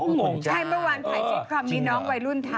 ใช่เมื่อมีน้องวัยรุ่นทำ